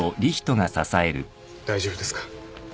大丈夫ですか？